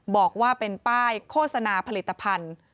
บอกว่าเป็นป้ายโฆษณาผลิตภัณฑ์